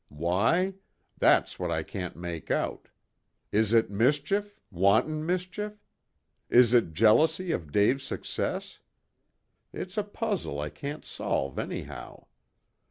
Why? That's what I can't make out. Is it mischief wanton mischief? Is it jealousy of Dave's success? It's a puzzle I can't solve anyhow.